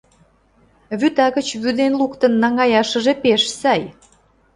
Вӱта гыч вӱден луктын наҥгаяшыже пеш сай!